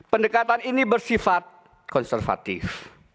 pendekatan ini bersifat konservatif